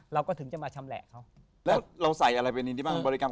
เราก็ถึงจะมาชำแหละเขา